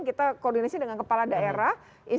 kita koordinasi dengan kepala daerah